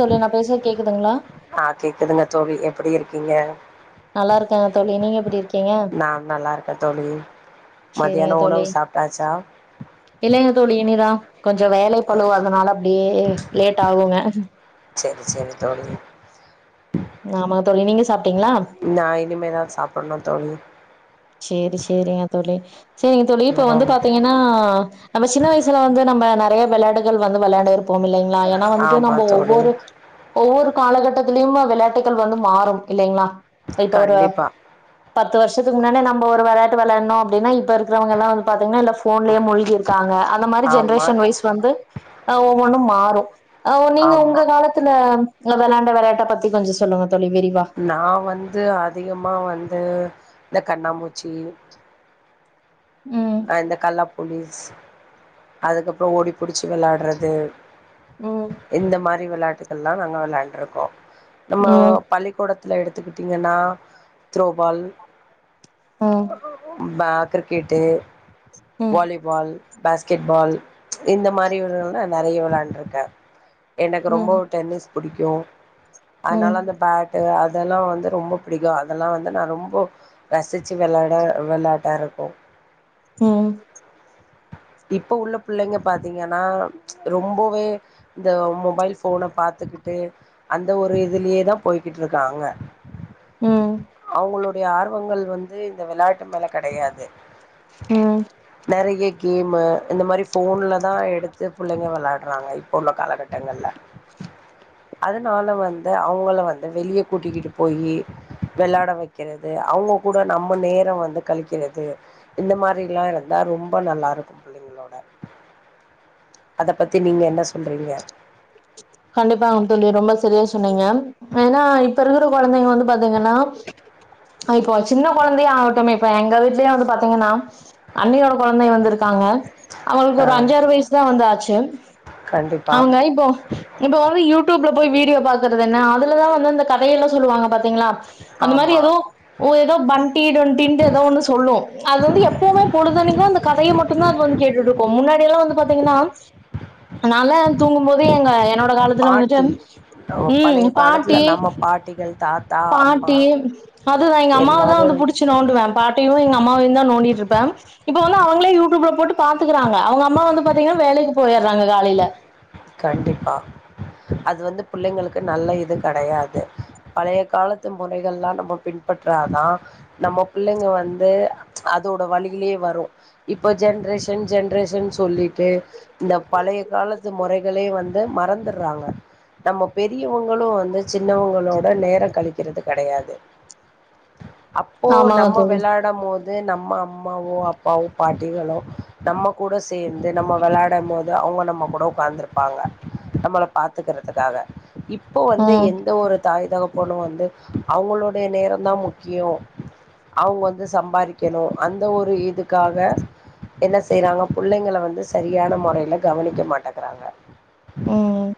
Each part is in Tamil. தோழி நா பேசுற கேக்குதுங்களா ஆ தோழி எப்படி கேக்குதுங்க நல்லா இருக்காங்க தோழி நீங்க எப்படி இருக்கீங்க நான் நல்லா இருக்கேன் தோழி சேரிங்க மதியான தோழி உணவு சாப்ட்டாச்சா இல்லைங்க தோழி இனிதான் கொஞ்சம் வேலை பழுவதுனால அப்படியே லேட் ஆகுங்க சரி சரி தோழி ஆமா தோழி நீங்க சப் நா இனிமேதான் சாப்பிடணும் தோழி சேரி சேரிங்க தோழி சேரிங்க தோழி இப்ப வந்து ஆம். பாத்தீங்கன்னா நம்ப சின்ன வயசுல வந்து நம்ப நிறைய விளையாடுகள் வந்து விளையாண்டு இப் -போம் இல்லைங்களா ஏன்னா வந்துட்டு ஆமா நம்ப தோழி ஒவ்வொரு ஒவ்வொரு காலகட்டத்திலயும் விளையாட்டுகள் வந்து மாறும் இல்லைங்களா இப்ப ஒரு கண்டிப்பா பத்து வருஷத்து முன்ன நம ஒரு விளையாட்டு விளாணும் அப்பின்னா இப்ப இருக்கவங்கல்லாம் வந்து பாத்தங்கன்னா லெப் போன்லயே மூழ்கியிருக்காங்க அந்த மாரி ஆமா ஜென்ரேஷன் வைஸ் வந்து அஹ் ஒவ்வொன்னும் மாறும் ஆஹ் நீங்க உங்க ஆமா காலத்துல நீங்க விளாண்ட விளையாட்ட பத்தி கொஞ்ச சொல்லுங்க தோழி விரிவா நா வந்து அதிகமா வந்து இந்த கண்ணாமூச்சி ம் அஹ் இந்த கல்லா போலீஸ் அதுக்கப்பறம் ஓடி புடிச்சு விளையாடுறது ம் இந்த மாரி விளாட் இதுக்கெல்லாம் நாங்க விளையாண்டு இருக்கோம் நம்ம ம் பள்ளிக்கூட த்துல எடுத்துக்கிட்டீங்கன்னா த்ரோபால் ம் பா கிரிக்கெட்டு் ம் வாலிபால் பாஸ்கெட் பால் இந்த மாரி விகள் நறைய விளையாண்டு இருக்கேன் எனக்கு ம் ரொம்ப டென்னிஸ் புடிக்கும் ம் அதனால அந்த பேட்டு அத் அதெல்லாம் வந்து ரொம்ப பிடிக்கும் அதெல்லாம் வந்து நான் ரொம்ப ரசிச்சு விளாட விளாட்டா இருக்கும் உம் இப்ப உள்ள பிள்ளைங்க பாத்தீங்கன்னா ரொம்பவே இந்த மொபைல் போனை பாத்துக்கிட்டு அந்த ஒரு இதுலயே தான் போய்கிட்டு இருக்காங்க ம் அவுங்களோ டைய ஆர்வங்கள் வந்து இந்த விளையாட்டு வேல கிடையாது உம் நறைய கேமு இந்த மாதிரி போன்ல தான் எடுத்து புள்ளைங்க விளையாடுறாங்க இப்போ உள்ள காலகட்டங்கள்ல அதனால வந்து அவுங்கள வந்து வெளிய கூட்டிக்கிட்டு போயி விளாட வைக்கிறது அவங்க கூட நம்ம நேரம் வந்து கழிக்கிறது இந்த மாரிலாம் இருந்தா ரொம்ப நல்லா க்கு பிள்ளைங்களோட அத பத்தி நீங்க என்ன சொ கண்டிப்பா ஆவும் தோழி ரொம்ப ஸ் [unintelligible] சொன்னீங்க ஏன்னா இப் ப்பருகிற குழந்தைங்க வந்து பாத்தீங்கன்னா இப்ப சின்ன குழந்தையா ஆகட்டமே இப்ப எங்க வீடலயே வந்து பாத்தீங்கன்னா அன்னியோட குழந்தை வந்திருக்காங்க அவுங்களுக்கு ஒரு அஞ்சாறு வயசு தான் வந்து ஆச்சு கண்டிப்பா அவுங்க இப்போ இப்ப வந்து யூடியூப்ல போய் வீடியோ பாக்குறது என்ன அதுலதான் வந்து அந்த கதையெல்லாம் சொல்லுவாங்க பாத் பாத்திங்ளா அந்த மாரி ஆமா ஏதோ ஏதோ பண்டி தொண்டிண்டு ஏதோ ஒண்ணு சொல்லும் அது வந்து எப்பவுமே பொழுதன்னைக்கும் அந்த கதைய மட்டும்தான் அதுல வந்து கேட்டுட்ருக்கும் முன்னாடிய எல்லாம் வந்து பாத்தீங்கன்னா நாலா தூங்கும்போது எங்க என்னோட காலத்துல வந்துட்டு பாட்டி பழைய ம் காலத்துல பாட்டி நம்ம பாட்டிகள் தாத்தா அம்மா பாட்டி அதுதான் எங்க அம்மாவை தான் எல்லாரு வந்து புடிச்சு நோண்டுவவேன் பாட்டியும் எங்க அம்மாவையும் தான் நோண்டிட்டு இருப் பண் இப்ப வந்து அவங்களே யூடியூப்ல போட்டு பாத்துக்கறாங்க அவங்க அம்மா வந்து பாத்தீங்கன்னா வேலைக்கு போயிடுறாங்க காலையில கண்டிப்பா அது வந்து பிள்ளைங்களுக்கு நல்ல இது கிடையாது பழைய காலத்து முறைகள்ல்லாம் நம்ம பின்பற்றாதான் நம்ம பிள்ளைங்க வந்து அதோட வழியிலேயே வரும் இப்போ ஜென்ரேஷன் ஜென்ரேஷன் சொல்லிட்டு இந்த பழைய காலத்து முறை கலே வந்து மறந்துறாங்க நம்ம பெரியவங்களும் வந்து சின்னவங்களோட நேரம் கழிக்கிறது கிடையாது அப்போ ஆமாங்க நம்ம தோழி வெள்ளாட மோது வது நம்ம அம்மாவோ அப்பாவோ பாட்டிகளோ நம்ம கூட சேர்ந்து நம்ம வெள்ளாட மோது அவங்க நம்ம கூட உட்காந்துரு பாங்க நம்மள பாத்துக்கறதுக்காக இப்போ வந்து ம் எந்த ஒரு தாய் தகப் போணும் வந்து அவங்களுடைய நேரம தான் முக்கியோ அவங்க வந்து சம்பாரிக்கணும் அந்த ஒரு இதுக்காக என்ன செய்யறாங்க புள்ளைங்கல வந்து சரியான முறையில கவனிக்க மாட்டகறாங்க ம்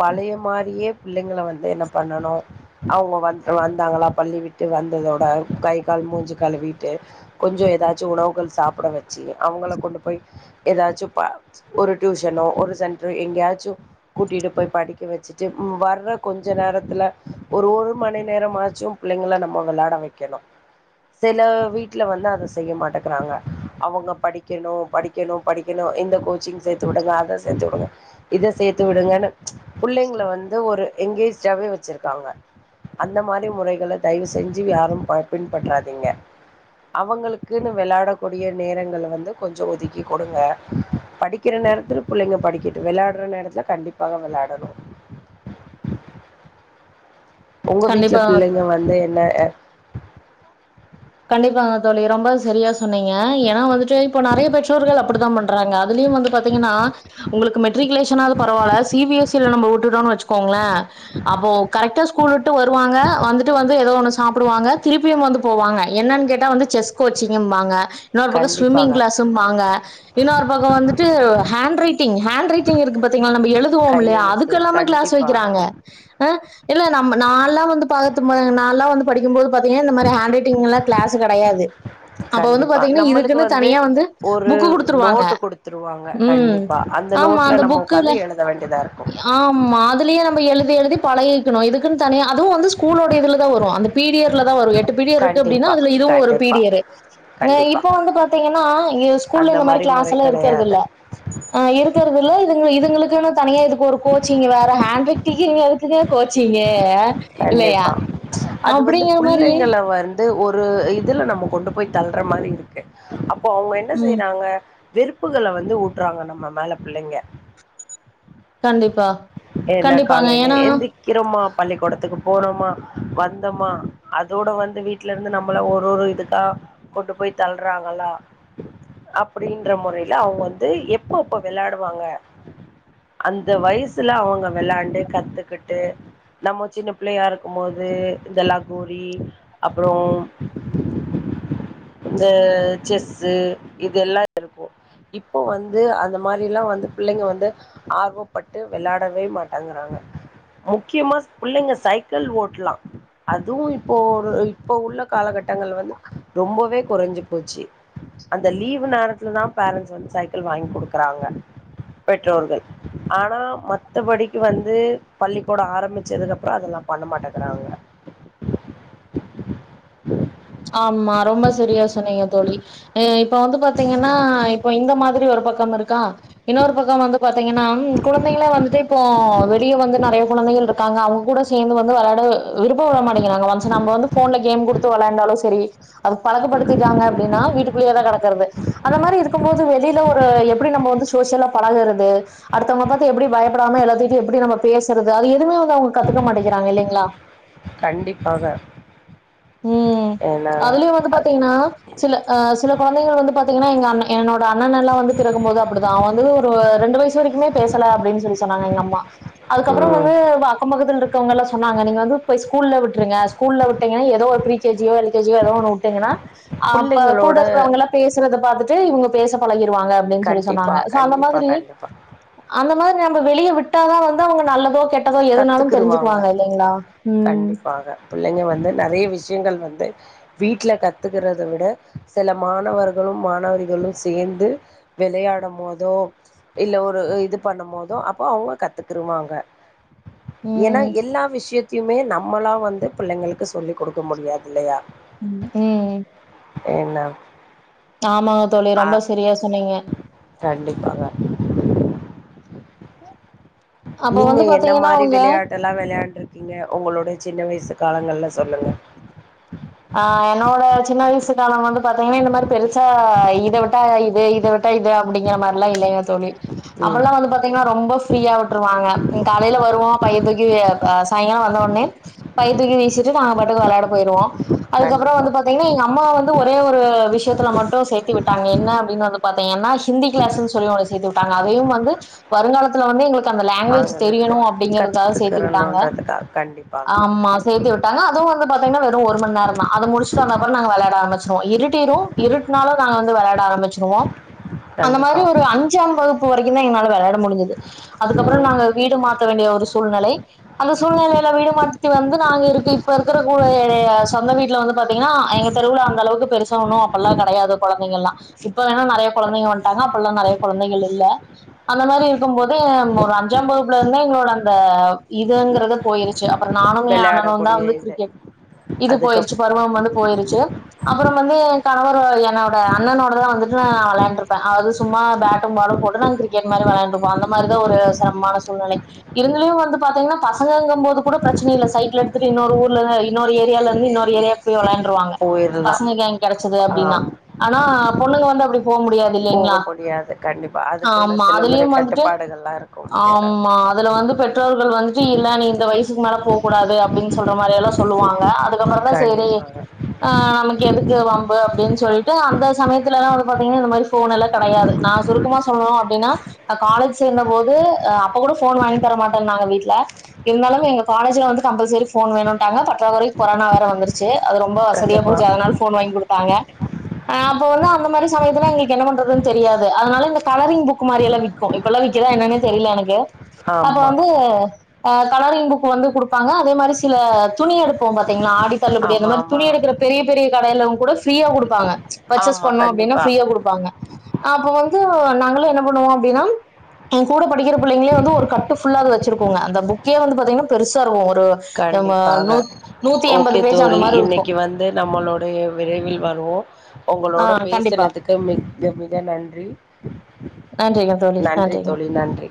பழைய மாரியே புள்ளைங்கள வந்து என்ன பண்ணனும் அவங்க வந்து வந்தாங்களா பள்ளி விட்டு வந்ததோட கை கால் மூஞ்சு கழுவிட்டு கொஞ்சம் ஏதாச்சும் உணவுகள் சாப்ட வச்சி அவங்கள கொண்டு போய் ஏதாச்சும் பா ஒரு டியூஷனோ ஒரு செ எங்கேயாச்சும் கூட்டிட்டு போய் படிக்க வச்சுட்டு வர்ற கொஞ்ச நேரத்துல ஒரு ஒரு மணி நேரமா ஆச்சும் பிள்ளைங்க நம்ம விளாட வைக்கணும் சில வீட்டுல வந்து அதை செய்ய மாட்டேங்கறாங்க அவங்க படிக்கணும் படிக்கணும் படிக்கணும் இந்த கோச்சிங் சேர்த்து விடுங்க அத சேர்த்து விடுங்க இத சேர்த்து விடுங்கன்னு புள்ளைங்கள வந்து ஒரு எனங்கேஜ்டாவே வச்சிருக்காங்க அந்த மாதிரி முறைகளை தயவு செஞ்சு யாரும் பின்பற்றாதீங்க அவங்களுக்குன்னு விளாடக்கூடிய நேரங்க வந்து கொஞ்சம் ஒதுக்கி கொடுங்க படிக்கிற நேரத்துல புள்ளைங்க படிக்க விளையாடுற நேரத்துல கண்டிப்பாக விளையாடணும் உங்க வீட்டுல கண்டிப்பா பிள்ளைங்க வந்து என்ன கண்டிப்பாங்க தோழி ரொம்ப சரியா சொன்னீங்க ஏன்னா வந்துட்டு இப்போ நெறைய பெற்றோர்கள் அப்டித்தான் பண்றாங்க அதுலயும் வந்து பாத்தீங்கன்னா உங்களுக்கு மெட்ரிகுலேஷனாவது பரவாயில்ல சிபிஎஸ்சில நம்ம விட்டுட்டோன்னனு வச்சுக்கோங்களேன் அப்போ கரெக்டா ஸ்கூல் விட்டு வருவாங்க வந்துட்டு வந்து ஏதோ ஒண்ணு சாப்பிடுவாங்க திருப்பியும் வந்து போவாங்க என்னன்னு கேட்டா வந்து செஸ் கோச்சிங்கு என்பங்க இன்னொரு பக்கம் ஸ்விம்மிங் கண்டிப்பாக கிளாஸும் பாங்க இன்னொரு பக்கம் வந்துட்டு ஹண்ட் ரைட்டிங் ஹண்ட் ரைட்டிங்க்கு இருக்கு பாத்தீங்களா நம்ம எழுதுவோம் இல்லைய கையெழுத்து அதுக்கெல்லாம கிளாஸ் கண்டிப்பா வைக்கிறாங்க இல்ல நம்ம நான்ல்லாம் வந்து பாத்து நா எல்லா வந்து படிக்கும் போது பாத்திங்கனா இந்த மாரி ஹண்ட் ரைட்டிங் எல்லா கிளாஸ் கிடையாது கண்டிப்பா நம்மளுக்கு வந்து ஒரு புக்கு குடுத்துருவாங்க நோட்டு குடுத்துருவாங்க ம் கண்டிப்பா அந்த ஆமா நோட்ல நம்மக்கு புக்குல வந்து எழுத வேண்டியதா இருக்கும் ஆமா அதுலயே எழுதி எழுதி பழகணும் இதுக்குன்ன தனி அதுவும் வந்து ஸ்கூலோட இதுல தான் வரும் அந்த பீரியடல தான் வரும் எ பிடி இருந்து ன்னா கண்டிப்பா அதுல இதுவும் ஒரு கண்டிப்பா பீரியரு கண்டிப்பா இப்ப வந்து பாத்தீங்கன்னா ஸ்கூல்ல அந்த இந்த மாரி கிளாஸ் முறை எல்லா எடுக்கிறது கெடையாது இல்ல ஆஹ இருக்கிறதுல இதுங்க உங்களுக்கு தனியா இதுக்கு ஒரு கோச்சிங் வேற ஹாண்ட் ரைட்டிங்கு எதுக்குங்க கோச்சிங்கு இல்லையா கண்டிப்பா அது வந்து அப்படிங்கிற மாரி பிள்ளைங்க வந் து ஒரு இதுல நம்ம கொண்டு போய் தள்ளுற மாரி இருக்கு அப்போ அவங்க என்ன ம் செய்றாங்க வெருப்புகள வந்து ஊட்டுறாங்க நம்ம மேல பிள்ளைங்க கண்டிப்பா என்ன கண்டிப்பாங்க. காலையில ஏன்னா எந்திக்கிரமா பள்ளிக்கூடத்துக்கு போறோமா வந்தோமா அதோட வந்து வீட்ல இருந்து நம்மள ஒரு ஒரு இதுக்கா கொண்டு போய் தள்ளுறாங்களா அப்டின்ற முறையில அவங்க வந்து எப்ப இப்ப விளையாடுவாங்க அந்த வயசு ல அவங்க விளையாண்டு கத்துக்கிட்டு நம்ம சின்ன பிள்ளையா இருக்கும் போது இந்தெல்லாம் கோலி அப்புறோம் இந்த செஸ்ஸு இததுெல்லாம் இருக்கும் இப்போ வந்து அந்த மாரில்லாம் வந்து பிள்ளைங்க வந்து ஆர்வப்பட்டு விளாடவே மாட்டேங்கிறாங்க முக்கியமா பிள்ளைங்க சைக்கிள் ஓட்டலாம் அதுவும் இப்போ இப்போ உள்ள காலகட்டங்கள் வந்து ரொம்பவே குறைஞ்சு போச்சு அந்த லீவ் நேரத்துல தான் பேரன்ட்ஸ் வந்து சைக்கிள் வாங்கி குடுக்கறாங்க பெற்றோர்கள் ஆனா மத்தபடிக்கு வந்து பள்ளிக்கூடம் ஆரம்பிச்சதுக்கு அப்புறம் அதெல்லாம் பண்ண மாட்டேங்குறாங்க ஆமா ரொம்ப சரியா சொன்னீங்க தோழி ஆஹ் இப்ப வந்து பாத்தீங்கன்னா இப்ப இந்த மா ஒரு பக்கம் இருக்கா இன்னொரு பக்கம் வந்து பாத்தீங்கன்னா குழந்தைகளே வந்துட்டு இப்போ வெளிய வந்து நெறைய குழந்தைகள் இருக்காங்க அவங்க கூட சேர்ந்து வந்து விளையாட விருப்பட மாட்டேங்கிறாங்க ஒன்ஸ் நம்ப வந்து போன்ல கேம் குடுத்து விளையாட்டாலும் சரி சரி அது பழகப்படுத்திட்டாங்க அப்டின்னா வீட்டுக்குள்ளே தான் கிடக்கறது அந்த மாரி இருக்கும்போது வெளியில ஒரு எப்டி நம்ம வந்து சோசியலா பழகுறது அடுத்தவங்க பாத்து எப்டி பயப்படாம எல்லாத்தட்டையும் எப்டி நம்ம பேசுறது அது எதுவுமே வந்து அவங்க கத்துக்க மாட்டேிக்கிறாங்க இல்லைங்களா கண்டிப்பாக உஹம் ஏன்னா அதுலயும் வந்து பாத்தீங்கன்னா சில ஆஹ சில குழந்தைகள் வந்து பாத்தீங்கன்னா எங்க அண்ண என்னோட அண்ணன் எல்லா வந்து பிறக்கும் போது அப்டிதான் அவன் வந்து ஒரு ரெண்டு வயசு வரைக்குமே பேசல அப்டின்னு சொல்லி சொன்னாங்க எங்க அம்மா அதுக்கப்புறம் ம். வந்து அக்கம் பக்கத்தில இரு ங்கல்லாம் சொன்னா நீங்க வந்து போய் ஸ்கூல்ல விட்டுருங்க ஸ்கூல்ல விட்டீங்கன்னா ஏதோ ப்ரீ கேஜியோ எல்கேஜி ஓ ஏதோ ஒன்னுவுட்டிங்கன்னா அஹ் அப்ப கூட பிள்ளைங்களோட இருக்கிறவங்க எல்லா பேசுறத பாத்திட்டு இவங்க பேசப்பலக்கி திட்டுவாங்க அப்டின் சொல்லி கண்டிப்பா, சொன்னாங்க அந்த கண்டிப்பா, மாதிரி கண்டிப்பா. அந்த மாரி ந வெளிய விட்டாதா வந்து அவுங்க நல்லதோ கெட் டதோ எதனாலு கத்துக்குருவாங்க. தெரிஞ்சுக்குவாங்க இல்லைங்ளா உம் கண்டிப்பாக பிள்ளைங்க வந்து நெறைய விஷயங்கள் வந்து வீட்ல கத்துக்கறத விட சில மாணவர்களும் மாணவிகளும் சேர்ந்து விளையாடும் போதோ இல்ல ஒரு இது பண்ணும் போதோ அப்போ அவுங்க கத்துக்கிருவாங்க எனா ம் எல்லா விஷயத் தியுமே நம்மளா வந்து பிள்ளைங்களுக்கு சொல்லிக் குடுக்க முடியாது இல்லையா ம்-ம் என்ன ஆமாங்க தோலி ஆ ரொம்ப செரியா சொன்னீங்க கண்டிப்பாக அப்ப நீங்க வந்து என்ன பாத்தீங்கன்னா மாரி அவங்க விளையாட்ட எல்லா விளையாண்ட்ருக்கீங்க உங்களோட சின்ன வயசு காலங்கல்ல சொல்லுங்க ஆஹ் என்னோட சின்ன வயசு காலம் வந்து பாத்தீங்கன்னா இந்த மாரி பெருசா இத விட்டா இது-இத விட்டா இது அப்டிங்கிற மாரில்லா இல்லைங்க தோலி ம் அப்பெல்லா வந்து பாத்தீங்கன்னா ரொம்ப ப்ரீயா விட்ருவாங்க காலையில வருவோ பைய தூக்கி சாயங்கால வந்தவுன்னே பைய தூக்கி வீசிட்டு நாங்க பாட்டுக்கு விளையாட போயிடுவோ அதுக்கப்புற கண்டிப்பா வந்து பாத்தீங்கன்னா எங்க அம்மா வந்து ஒரே ஒரு விஷயத்துல மட்டு சேர்த்து விட் டாங்க என்ன அப்டின்னு வந்து பாத்தீங்கன்னா ஹிந்தி கிளாஸுனு சொல்லுவாங்க செய்து வுட்டாங்க அதையும் வந்து வருங்காலத்தில வந்து எங்களுக்கு அந்த லாங்குவேஜ் தெரியணு ஆங்கிலத்த அப்டிங்கறகாக சேர்த்தி விட்டாங்க கத்துக்கிறணுன்றதுக்காக கண்டிப்பாக ஆமா சேர்த்து வுட்டாங்க அதுவு வந்து பாதிங்கன்னா வெறு ஒரு மண் நேர அது முடிச்சுட்டு வந்த அப்புற நாங்க விளையாட ஆம்பிச்சிருவோ இருடிடு இருட்னாலு நாங்க வந்து விளையாட ஆரம்பிச்சிருவோ அந்த மாரி கண்டிப்பா ஒரு அஞ்சாம் வகுப்பு வரைக்கு தா என்னால விளையாட முடிஞ்சது அதுக்கப்புற ம் நாங்க வீடு மாத்த வேண்டிய ஒரு சூழ்நிலை அந்த சூழ்நிலையில வீடு மாத்தி வந்து நாங்க இருக்கு இப்ப [unintelligible] சொந்த வீட்ல வந்து பாத்தீங்கன்னா எங்க தெருவுல அந்த அளவுக்கு பெருசா ஒண்ணு அப்பெல்லா கெடையாது கொழந்தைங்கெல்லா இப்ப வேணா நெறைய கொழந்தைங்க வண்டாங்க அப்பெல்லா நெறைய கொழந்தைகள் இல்ல அந்த மாரி இருக்கும் போது ஒரு அஞ்சாம் வகுப்புல இருந்தே எங்களோட அந்த இதுங்குறது போயிருச்சி அப்புற நானுமே அண்ணணு தா வெளையாடக்கூடிய வந்து இது கிரிக்கெட் இது அதுக்கு போயிருச்சி பருவம் வந்து போயிருச்சி அப்புற வந்து கணவர் என்னோட அண்ணனோட தா வந்துட்டு நா விளையாண்ட்ருப்பே அது சும்மா பேட்டும் பாலும் போட்டு நா கிரிக்கெட் மாறி விளையாண்ட்ருப்போ அந்த மாரிதா ஒரு சிரமமான சூழ்நில இருந்தும் வந்து பாத்தீங்கன்னா பசங்கங்க போது கூட பிரச்சனை இல்ல சைக்கிள் எடுத்துட்டு இன்னொரு ஊர்ல இன்னொரு ஏரியால [unintelligible] இன்னொரு ஏரியாக்கு போய் விளையாண்ட் ற்றுவாங்க போயிரலா பசங்க கேங் கிடைச்சது அப்டின்னா ஆம் ஆனா பொண்ணுங்க வந்து அப்டி போ முடியாது இல்லிங்ளா போக முடியாது கண்டிப்பா அதுக்குன்னு ஆமா சில முறை அதுலியும் வந்துட்டு கட்டுப்பாடுகள்லா இருக்கும் ஏன்னா ஆமா அதுல வந்து பெற்றோர்கள் வந்துட்டு இல்ல இந்த வயசுக்கு மேல போக்கூடாது அப்டின்னு சொல்ற மாரியெல்லா சொல்லுவாங்க அது இதுக்கப்புற தா செரி கண்டிப்பாக ஆஹ நமக்கு எதுக்கு வம்பு அப்டின்னு சொல்லிட்டு அந்த சமயத்திலலா பாத்திகனா இந்த மாரி போன்ல்லா கெடையாது நா சுருக்கமா சொல்லணு அப்டினா காலேஜ் சேந்த போது அப்பகூட போன் வாங்கி தரமாட்டான்னாங்க வீட்ல இருந்தாலு எங்க காலேஜில வந்து கம்பல்சரி போன் வேணுன்ட்டாங்க பற்றாக்குறை கொரனா வேற வந்துருச்சி அது ரொம்ப வசதியா கண்டிப்பா போச்சி அதனால போன் வாங்கி கொடுத் தாங்க அப்ப வந்து அந்த மாரி சமயத்துல எங்களுக்கு என்ன பண்றதுன்னு தெரியாது அதனால இந்த கலரிங் புக் மாறிலா விக்கு இப்பெல்லா விக்குதா என்னன்னே தெரியல எனக்கு அப்ப ஆமா வந்து கலரிங் புக் வந்து கொடுப்பாங்க அதே மாரி சில துணி எடுத். போங்கப். இங்க ஆடி தள்ளுபடி அந்த ஆமா மாதிரி ஆமா துணி எடுக்க பெரிய பெரிய கடையில உங். கூட ஃப்ரீயா கொடுப்பாங்க. பர்ச்சேஸ் ஆமா பண்ணோம் அப்படின்னா கண்டிப்பா ஃப்ரீயா குடுப்பாங்க. அப்ப வந்து நாங்களாம் என்ன பண்ணுவோம் அப்படின்னா என் கூட படிக்கிற பிள்ளைங்களே வந்து ஒரு கட்டு ஃபுல்லா அது வச்சிருக்கோங்க அந்த புக்கே வந்து பாத்தீங்கன்னா பெருசா இருக்கோ. க்கோ. நம்ம கண்டிப்பாக நோட். ஓகே தோழி இன்னைக்கு வந்து நம்மளோடய விரைவில் வருவோ. உங்களோட ஆஹ் கண்டிப்பா பேசினதுக்கு மிக மிக நன்றி நன்றிங்க தோழி நன்றி நன்றிங்க தோழி நன்றி.